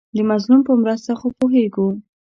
د مظلوم په مرسته خو پوهېږو.